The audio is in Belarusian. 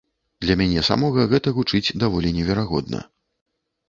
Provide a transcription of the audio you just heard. Для мяне самога гэта гучыць даволі неверагодна.